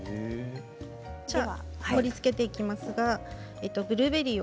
じゃあ盛りつけていきますがブルーベリーを。